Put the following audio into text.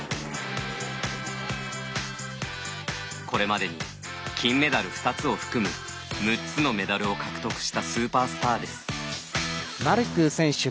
これまでに金メダル２つを含む６つのメダルを獲得したスーパースターです。